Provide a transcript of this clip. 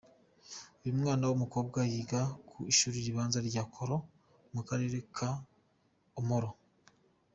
Uyu mwana w’ umukobwa yiga ku ishuri ribanza rya Koro mu karere ka Omoro.